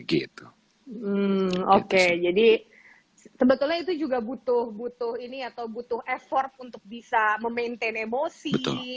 hmm oke jadi sebetulnya itu juga butuh butuh ini atau butuh effort untuk bisa memaintain emosi